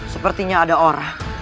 sepertinya ada orang